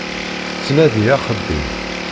Tettnadi axeddim.